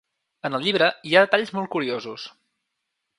En el llibre hi ha detalls molt curiosos.